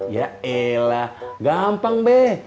ya elah gampang be